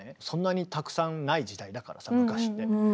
そんなにたくさんない時代だからさ昔って。